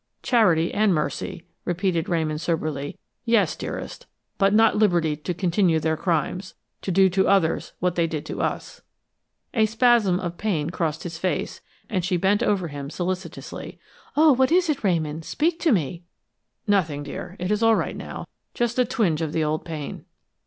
"Charity and mercy," repeated Ramon soberly. "Yes, dearest. But not liberty to continue their crimes to do to others what they did to us!" A spasm of pain crossed his face, and she bent over him solicitously. "Oh, what is it, Ramon? Speak to me!" "Nothing, dear, it's all right now. Just a twinge of the old pain."